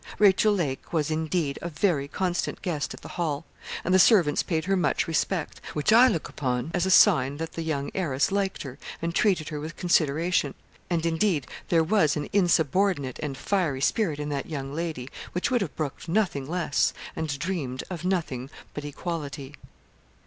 Rachel Lake was, indeed, a very constant guest at the Hall, and the servants paid her much respect, which I look upon as a sign that the young heiress liked her and treated her with consideration; and indeed there was an insubordinate and fiery spirit in that young lady which would have brooked nothing less and dreamed of nothing but equality.